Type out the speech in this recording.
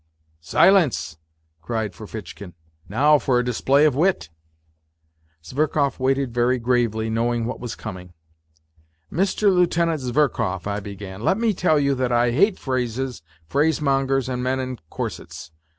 lence !" cried Ferfitchkin. " Now for a display of wit !" Zverkov waited very gravely, knowing what was coming. " Mr. Lieutenant Zverkov," I began, " let me tell you that I hate phrases, phrasemongers and men in corsets ..